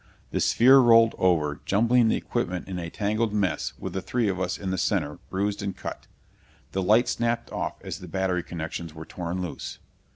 The sphere rolled over, jumbling the equipment in a tangled mess with the three of us in the center, bruised and cut. The light snapped off as the battery connections were torn loose.